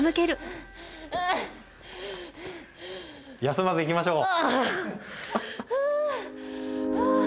休まずいきましょう！